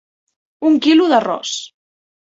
Un quilo d'arròs.